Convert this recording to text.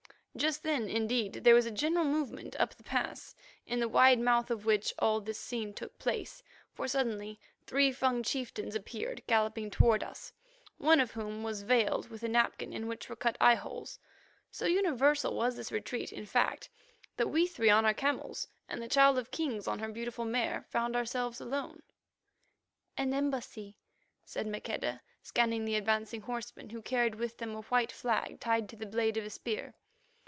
Just then, indeed, there was a general movement up the pass, in the wide mouth of which all this scene took place, for suddenly three Fung chieftains appeared galloping toward us, one of whom was veiled with a napkin in which were cut eyeholes. So universal was this retreat, in fact, that we three on our camels, and the Child of Kings on her beautiful mare, found ourselves left alone. "An embassy," said Maqueda, scanning the advancing horsemen, who carried with them a white flag tied to the blade of a spear.